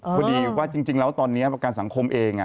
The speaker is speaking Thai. พอดีว่าจริงแล้วตอนนี้ประกันสังคมเอง